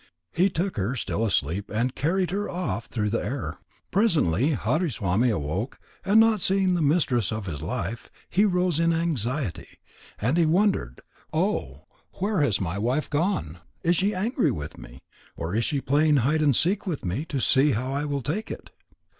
He took her, still asleep, and carried her off through the air. Presently Hariswami awoke, and not seeing the mistress of his life, he rose in anxiety. And he wondered: "Oh, where has my wife gone? Is she angry with me? Or is she playing hide and seek with me, to see how I will take it?"